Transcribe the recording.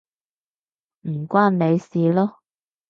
唔關你事囉